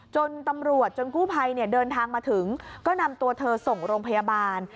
จนตำรวจจนกู้ภัยเดินทางมาถึงก็นำตัวเธอส่งโรงพยาบาล